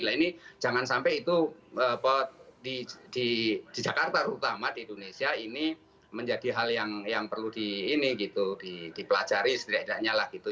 nah ini jangan sampai itu di jakarta terutama di indonesia ini menjadi hal yang perlu di ini gitu dipelajari setidaknya lah gitu